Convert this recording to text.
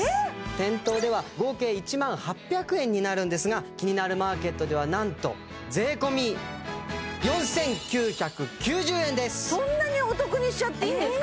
店頭では合計１万８００円になるんですがキニナルマーケットではなんと税込そんなにお得にしちゃっていいんですか？